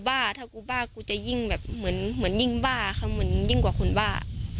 ว่าถ้ากูบ้ากูจะยิ่งแบบเหมือนยิ่งบ้าเขาเหมือนยิ่งกว่าคนบ้า